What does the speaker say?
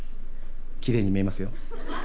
きれいに見えますよ。